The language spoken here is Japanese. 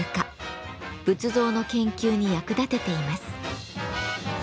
仏像の研究に役立てています。